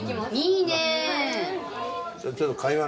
いいね！